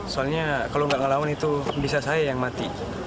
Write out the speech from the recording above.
soalnya kalau nggak ngelawan itu bisa saya yang mati